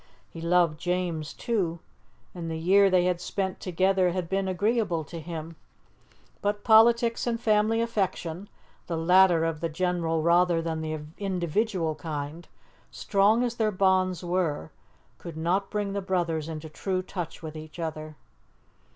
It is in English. He loved James too, and the year they had spent together had been agreeable to him; but politics and family affection the latter of the general rather than the individual kind strong as their bonds were, could not bring the brothers into true touch with each other.